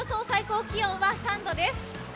最高気温は３度です。